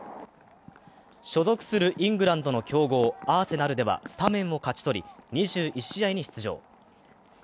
所属するイングランドの強豪、アーセナルではスタメンを勝ち取り、２１試合に出場